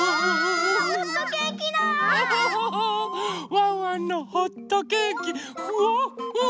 ワンワンのホットケーキフワッフワ。